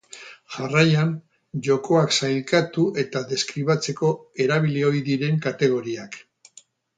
Jarraian, jokoak sailkatu eta deskribatzeko erabili ohi diren kategoriak.